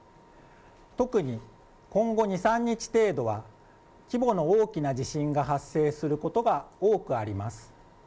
特に今後２、３日程度は、規模の大きな地震が発生することが多くあります。